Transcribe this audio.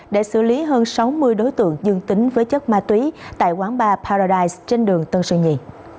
để xử lý hơn sáu mươi đối tượng dương tính với chất ma túy tại quán ba paradise trên đường tân sơn nhì